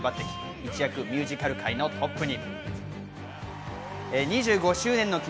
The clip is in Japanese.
一躍ミュージカル界のトップに。